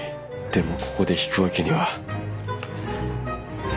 でもここで引くわけには。